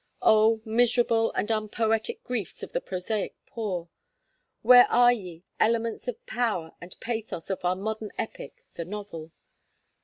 Oh! miserable and unpoetic griefs of the prosaic poor. Where are ye, elements of power and pathos of our modern epic: the novel?